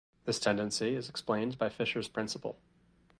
This tendency is explained by Fisher's principle.